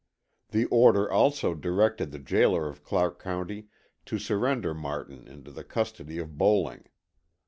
The order also directed the jailer of Clark County to surrender Martin into the custody of Bowling.